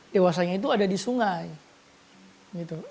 dewasanya itu ada di sungai